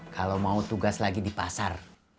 kalau mau tugas lagi di pasar